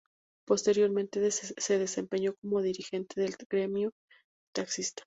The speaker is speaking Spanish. Posteriormente se desempeñó como dirigente del gremio de taxistas.